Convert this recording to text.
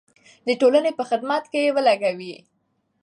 د ټولنې په خدمت کې یې ولګوئ.